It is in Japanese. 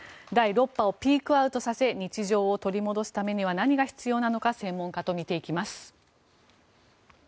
第６波をピークアウトさせ日常を取り戻すためには何が必要なのか専門家と見ていきます。